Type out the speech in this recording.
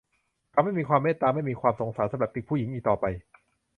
เขาไม่มีความเมตตาไม่มีความสงสารสำหรับเด็กผู้หญิงอีกต่อไป